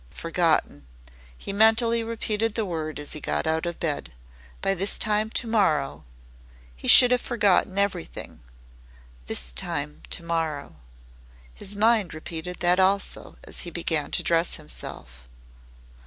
"Forgotten." He mentally repeated the word as he got out of bed. By this time to morrow he should have forgotten everything. THIS TIME TO MORROW. His mind repeated that also, as he began to dress himself.